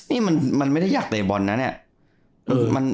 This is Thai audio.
นี่มันไม่ได้อยากเตะบอลนะเนี่ย